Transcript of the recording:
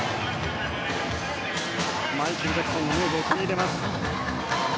マイケル・ジャクソンのムーブを取り入れます。